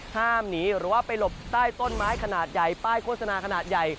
ห้ามหนีหรือว่าไปหลบใต้ต้นไม้ขนาดใหญ่ป้ายโฆษณาขนาดใหญ่